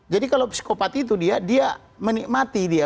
jadi kalau psikopat itu dia dia menikmati dia